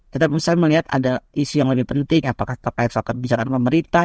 kita bisa melihat ada isu yang lebih penting apakah kita bisa membicarakan pemerintah